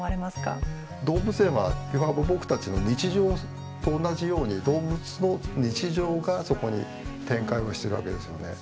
動物園はいわば僕たちの日常と同じように動物の日常がそこに展開をしてるわけですよね。